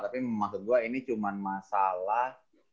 tapi maksud gue ini cuma masalah